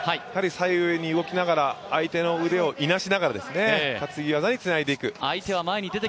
左右に動きながら相手の腕をいなしながら、担ぎ技につないでいく。